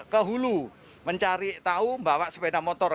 kehulu mencari tahu bawa sepeda motor